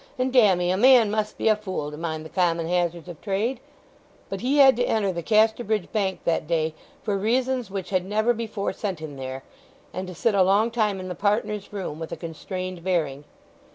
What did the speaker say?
And dammy, a man must be a fool to mind the common hazards of trade!" But he had to enter the Casterbridge Bank that day for reasons which had never before sent him there—and to sit a long time in the partners' room with a constrained bearing.